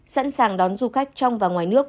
sẵn sàng đón du khách trong và ngoài nước